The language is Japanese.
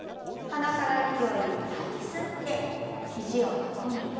鼻から息をいっぱいに吸って肘を横に。